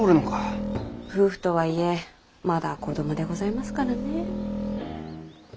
夫婦とはいえまだ子供でございますからねえ。